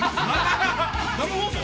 生放送？